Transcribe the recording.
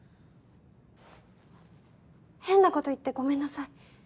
変なこと言ってごめんなさい。